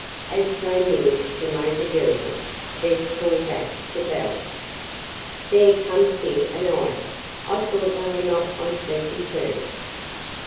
As they neared the motor girls Bess called back to Belle: "There come Sid and Ida. I thought they were not on speaking terms."